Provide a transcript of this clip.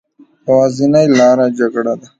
يوازينۍ لاره جګړه ده